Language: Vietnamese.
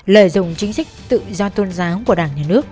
lợi dụng chính sách tự do tôn giáo của đảng nhà nước